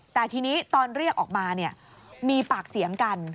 แต่ทีนี้ตอนเรียกออกมามีปากเสียงกัน